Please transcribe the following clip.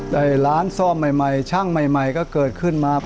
ร้านซ่อมใหม่ช่างใหม่ก็เกิดขึ้นมา